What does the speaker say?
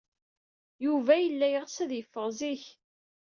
Yuba yella yeɣs ad yeffeɣ zik.